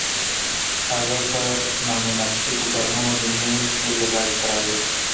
هغه په نامناسبو ګامونو د میز بلې غاړې ته راغی